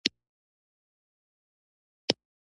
خولې ته يې واچوله.